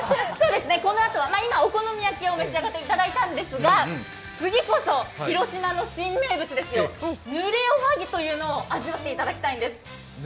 今、お好み焼きを召し上がっていただいたんですが、次こそ、広島の新名物ですよ、ぬれおはぎというのを味わっていただきたいんです。